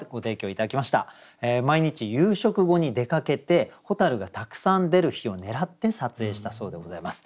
毎日夕食後に出かけて蛍がたくさん出る日を狙って撮影したそうでございます。